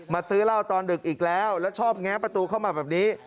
ซื้อเหล้าตอนดึกอีกแล้วแล้วชอบแง้ประตูเข้ามาแบบนี้